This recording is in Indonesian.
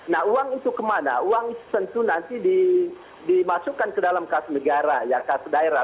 nah uang itu kemana uang tentu nanti dimasukkan ke dalam kas negara ya kas daerah